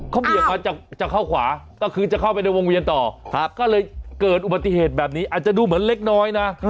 เขาเบี่ยงมาจะเข้าขวาก็คือจะเข้าไปในวงเวียนต่อก็เลยเกิดอุบัติเหตุแบบนี้อาจจะดูเหมือนเล็กน้อยนะ